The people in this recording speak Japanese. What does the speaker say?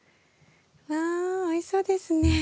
わおいしそうですね。